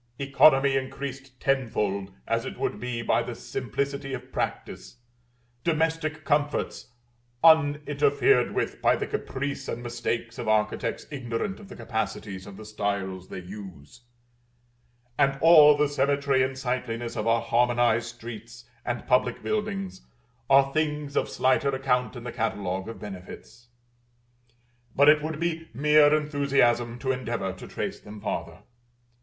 Economy increased tenfold, as it would be by the simplicity of practice; domestic comforts uninterfered with by the caprice and mistakes of architects ignorant of the capacities of the styles they use, and all the symmetry and sightliness of our harmonized streets and public buildings, are things of slighter account in the catalogue of benefits. But it would be mere enthusiasm to endeavor to trace them farther.